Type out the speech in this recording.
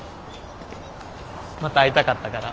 また会いたかったから。